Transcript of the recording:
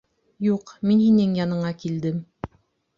— Юҡ, мин һинең яныңа килдем.